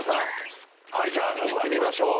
はいじゃあいってみましょう。